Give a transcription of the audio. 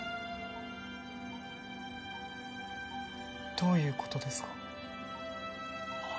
どういう事ですか？